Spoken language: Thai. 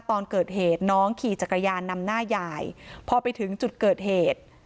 ตอนเกิดเหตุน้องขี่จักรยานนำหน้ายายพอไปถึงจุดเกิดเหตุ